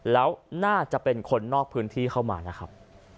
แล้วน่าจะเป็นคนนอกพื้นที่เข้ามานะครับ